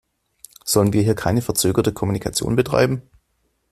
Sollen wir hier keine verzögerte Kommunikation betreiben?